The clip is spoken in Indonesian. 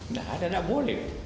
nah tidak boleh